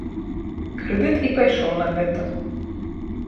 Крэдыт і пайшоў на гэта.